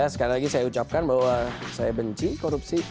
sekali lagi saya ucapkan bahwa saya benci korupsi